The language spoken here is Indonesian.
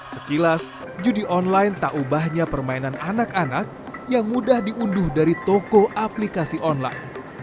sekilas judi online tak ubahnya permainan anak anak yang mudah diunduh dari toko aplikasi online